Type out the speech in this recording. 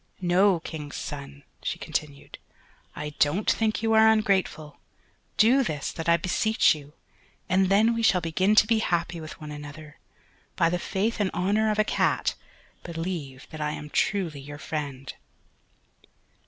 "No! King's son," she continued, "I don't think you are ungrateful. Do this that I beseech you, and then we shall begin to be happy with one another, by the faith and honour of a cat, believe that I am truly your friend."